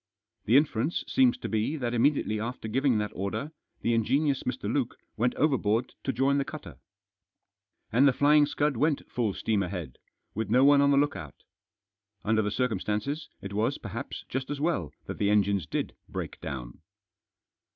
The inference seems to be that immediately after Digitized by 288 THE JOSS. giving that order the ingenious Mr. Luke went over board to join the cutter. And The Flying Scud went full steam ahead, with no one on the look out Under the circumstances, it was, perhaps, just as well that the engines did break down.